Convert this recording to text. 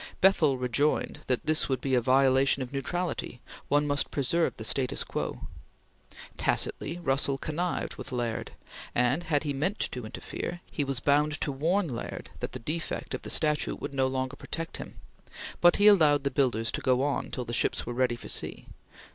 Bethell rejoined that this would be a violation of neutrality; one must preserve the status quo. Tacitly Russell connived with Laird, and, had he meant to interfere, he was bound to warn Laird that the defect of the statute would no longer protect him, but he allowed the builders to go on till the ships were ready for sea.